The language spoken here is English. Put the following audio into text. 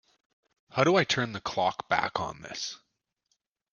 How do I turn the clock back on this?